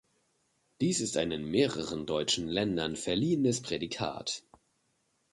Dies ist ein in mehreren deutschen Ländern verliehenes Prädikat.